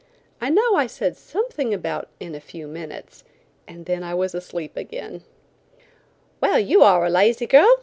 I know I said something about "in a few minutes," and then I was asleep again. "Well, you are a lazy girl!